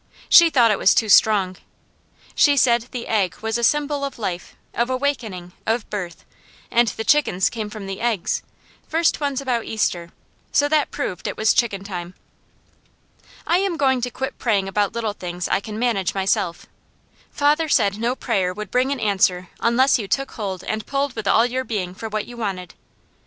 She thought it was too strong. She said the egg was a symbol of life; of awakening, of birth, and the chickens came from the eggs, first ones about Easter, so that proved it was chicken time. I am going to quit praying about little things I can manage myself. Father said no prayer would bring an answer unless you took hold and pulled with all your being for what you wanted.